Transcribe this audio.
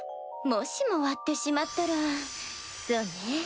もしも割ってしまったらそうね